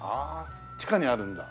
地下にあるんだ。